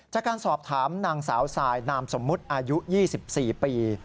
จากการสอบถามนางสาวทรายนามสมมุติอายุ๒๔ปี